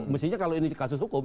mestinya kalau ini kasus hukum